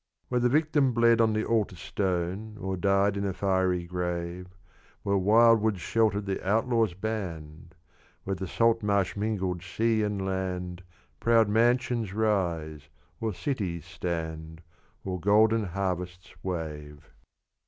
Where the victim bled on the altar stone, Or died in a fiery grave; Where wild woods sheltered the outlaw's band, Where the salt marsh mingled sea and land, Proud mansions rise, or cities stand, Or golden harvests wave.